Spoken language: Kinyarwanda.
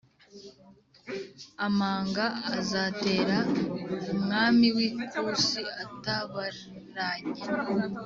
amanga azatera umwami w ikusi atabaranye